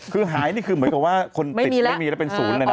คือหายนี่คือเหมือนกับว่าคนติดไม่มีแล้วเป็นศูนย์เลยนะ